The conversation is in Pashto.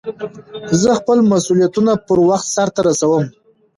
زه خپل مسئولیتونه پر وخت سرته رسوم.